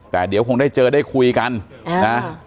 แต่เดี๋ยวคงได้เจอได้คุยกันนะ